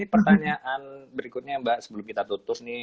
pertanyaan berikutnya mbak sebelum kita tutup nih